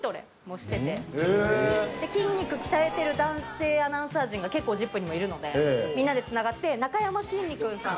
筋肉鍛えてる男性アナウンサー陣が結構『ＺＩＰ！』にもいるのでみんなでつながって。